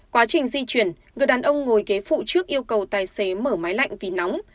quá trình di chuyển người đàn ông ngồi ghế phụ trước yêu cầu tài xế mở máy lạnh vì nóng